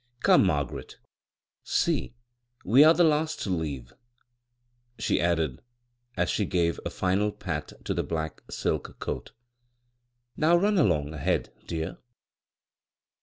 Come, Margaret — see, we are the last to leave," she added, as she gave a final pat to the black silk coat. " Now run along ahead, dear."